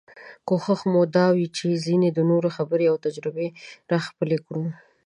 کوشش مو دا وي چې څنګه د نورو خبرې او تجربې راخپلې کړو.